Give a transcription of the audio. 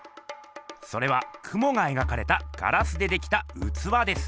それはクモが描かれたガラスでできたうつわです。